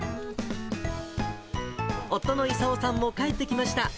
夫の勲さんも帰ってきました。